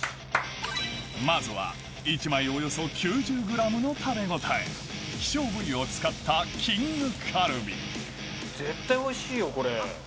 まずは１枚およそ９０ｇの食べ応え希少部位を使った絶対おいしいよこれ。